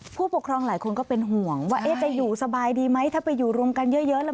ผู้ปกครองหลายคนก็เป็นห่วงว่าจะอยู่สบายดีไหมถ้าไปอยู่รวมกันเยอะแล้ว